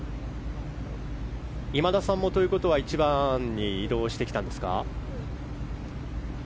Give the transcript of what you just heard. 今田さんも、ということは１番に移動してきたんですか？